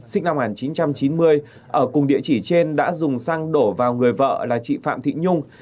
sinh năm một nghìn chín trăm chín mươi ở cùng địa chỉ trên đã dùng xăng đổ vào người vợ là chị phạm thị nhung